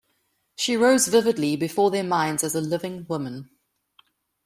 She rose vividly before their minds as a living woman.